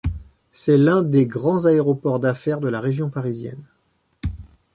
C'est l'un des grands aéroports d'affaires de la région parisienne.